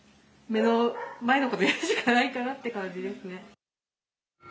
目の前のこと、やるしかないかなって感じですね。